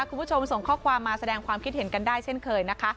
คุณผู้ชมส่งข้อความมาแสดงความคิดเห็นกันได้เช่นเคยนะคะ